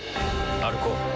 歩こう。